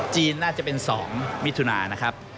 น่าจะเป็น๒มิถุนานะครับ